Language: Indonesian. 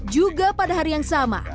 juga pada hari yang sama